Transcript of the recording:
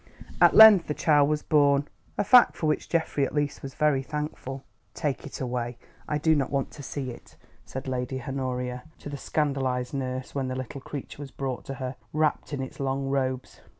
At length the child was born, a fact for which Geoffrey, at least, was very thankful. "Take it away. I do not want to see it!" said Lady Honoria to the scandalised nurse when the little creature was brought to her, wrapped in its long robes.